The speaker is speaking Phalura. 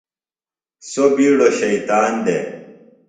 سوۡ بِیڈو شیطان دےۡ۔